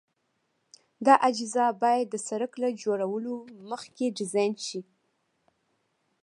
دا اجزا باید د سرک له جوړولو مخکې ډیزاین شي